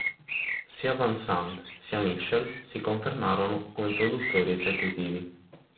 Sia Van Sant sia Mitchell si confermarono come produttori esecutivi.